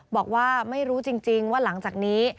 บอกว่าไม่รู้จริงว่าหลังจากนี้